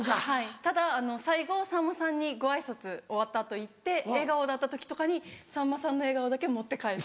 ただ最後さんまさんにご挨拶終わった後行って笑顔だった時とかにさんまさんの笑顔だけ持って帰って。